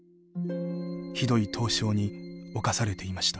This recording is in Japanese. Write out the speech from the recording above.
ひどい凍傷に侵されていました。